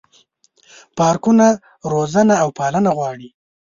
پارکونه روزنه او پالنه غواړي.